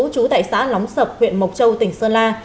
trú tại xã lóng sập huyện mộc châu tỉnh sơn la